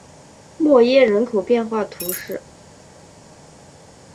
默耶人口变化图示